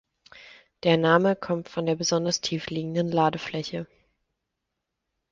Der Name kommt von der besonders tief liegenden Ladefläche.